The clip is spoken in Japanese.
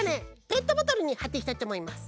ペットボトルにはっていきたいとおもいます。